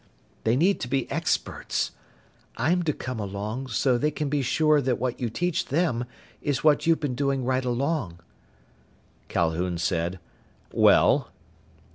They need to be experts. I'm to come along, so they can be sure that what you teach them is what you've been doing right along." Calhoun said, "Well?"